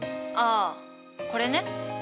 ああこれね。